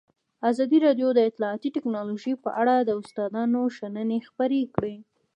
ازادي راډیو د اطلاعاتی تکنالوژي په اړه د استادانو شننې خپرې کړي.